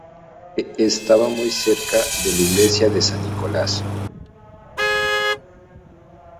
Estaba muy cerca de la Iglesia de San Nicolás.